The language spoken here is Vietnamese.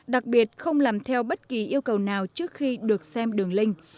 đặc biệt không làm theo bất kỳ yêu cầu nào trước khi được xem đường link